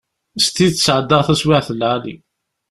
S tidet sεeddaɣ taswiεt n lεali.